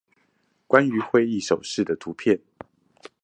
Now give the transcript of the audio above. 關於會議手勢的圖片